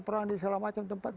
perang di segala macam tempat